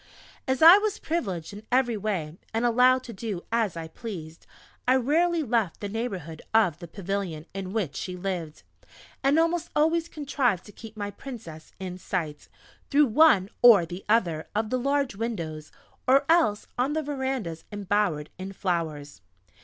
As I was privileged in every way and allowed to do as I pleased, I rarely left the neighbourhood of the pavilion in which she lived, and almost always contrived to keep my Princess in sight, through one or the other of the large windows, or else on the verandahs embowered in flowers.